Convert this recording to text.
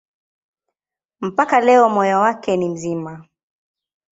Mpaka leo moyo wake ni mzima.